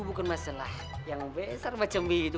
itu kan masalah yang besar macam gitu